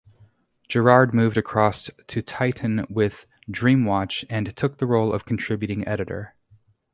Gerard moved across to Titan with "Dreamwatch" and took the role of Contributing Editor.